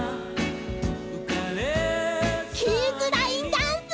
［キーズラインダンス！］